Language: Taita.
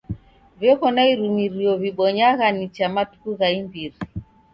W'eko na irumirio w'ibonyagha nicha matuku gha imbiri.